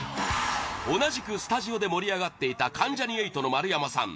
同じくスタジオで盛り上がっていた関ジャニ∞の丸山さん